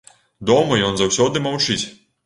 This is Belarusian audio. Дома ён заўсёды маўчыць.